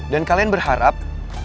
dan kalian berharap